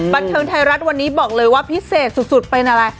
บันเทิงไทยรัฐวันนี้บอกเลยว่าพิเศษสุดเป็นอะไร